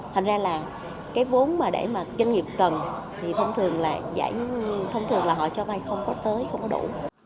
hình ra là cái vốn để mà doanh nghiệp cần thì thông thường là họ cho vay không có tới không có đủ